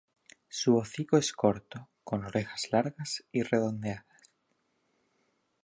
Su hocico es corto, con orejas largas y redondeadas.